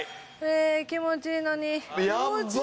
えっ気持ちいいのに。